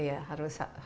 iya harus lebih